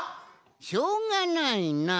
しょうがないなあ。